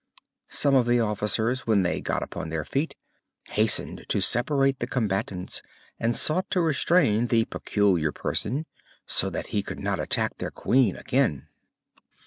Some of the officers, when they got upon their feet, hastened to separate the combatants and sought to restrain the Peculiar Person so that he could not attack their Queen again.